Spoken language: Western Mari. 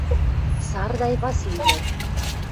Сардай Васлилӓн.